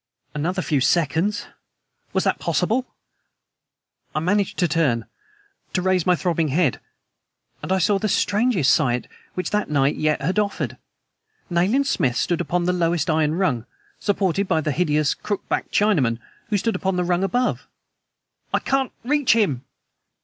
Another few seconds! Was that possible? I managed to turn, to raise my throbbing head; and I saw the strangest sight which that night yet had offered. Nayland Smith stood upon the lowest iron rung ... supported by the hideous, crook backed Chinaman, who stood upon the rung above! "I can't reach him!"